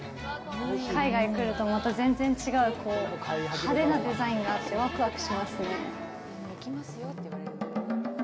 海外来ると、また全然違う派手なデザインがあって、わくわくしますね。